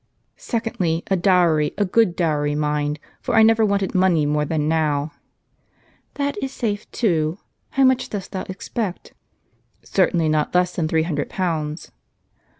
* About 800?. mr " Secondly, a dowry, a good dowry, mind ; for I never wanted money more than now." " That is safe too. How much dost thou expect? "" Certainly not less than three hundred pounds."